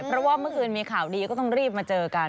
เพราะว่าเมื่อคืนมีข่าวดีก็ต้องรีบมาเจอกัน